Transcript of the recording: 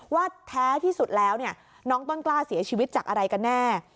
ว่าแท้ที่สุดแล้วน้องต้นกล้าเสียชีวิตจากอะไรกันแน่